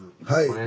はい。